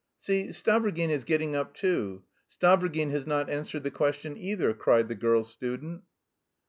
"See, Stavrogin is getting up too. Stavrogin has not answered the question either," cried the girl student.